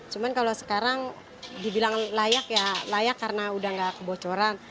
cuma kalau sekarang dibilang layak ya layak karena udah gak kebocoran